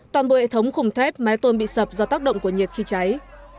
toàn bộ hệ thống khung thép mái tôn bị sập do tác động của nhiệt khi cháy